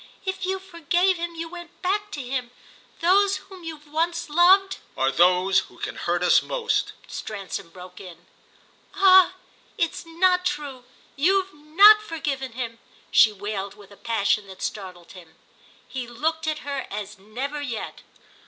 If you forgave him you went back to him. Those whom we've once loved—" "Are those who can hurt us most," Stransom broke in. "Ah it's not true—you've not forgiven him!" she wailed with a passion that startled him. He looked at her as never yet.